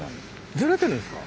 ズレてるんですか？